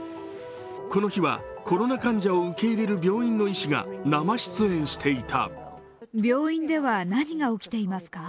この日はコロナ患者を受け入れる病院の医師が生出演していた。